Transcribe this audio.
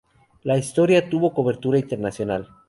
La historia tuvo cobertura internacional.